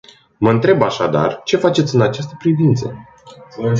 Mă întreb așadar, ce faceți în această privință?